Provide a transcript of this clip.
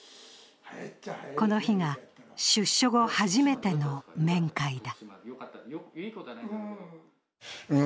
この日が出所後、初めての面会だ。